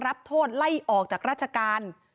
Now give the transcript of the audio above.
รับโทษไล่ออกจากราชการ